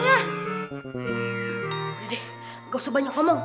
udah deh gak usah banyak ngomong